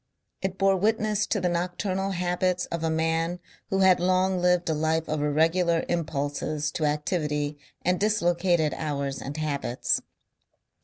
It bore witness to the nocturnal habits of a man who had long lived a life of irregular impulses to activity and dislocated hours and habits.